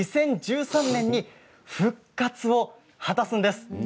２０１３年に復活を果たすんです。